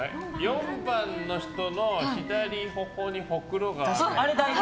４番の人の左頬にほくろがある。